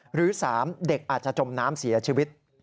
หรือ๓เด็กอาจจะจมน้ำเสียชีวิต